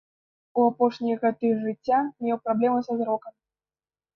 У апошнія гады жыцця меў праблемы са зрокам.